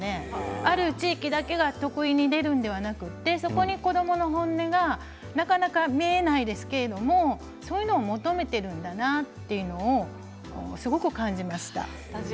ある地域だけがこういう意見が出るのではなくてそこに子どもの本音がなかなか見えないですけれどそういったものを求めているんだなということがすごく感じました。